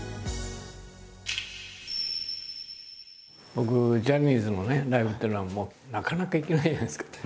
僕ジャニーズのライブっていうのはなかなか行けないじゃないですか？